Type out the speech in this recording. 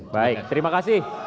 baik terima kasih